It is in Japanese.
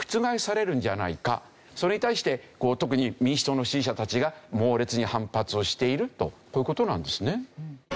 それに対して特に民主党の支持者たちが猛烈に反発をしているとこういう事なんですね。